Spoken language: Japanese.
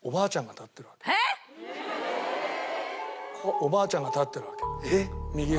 おばあちゃんが立ってるわけ右側に。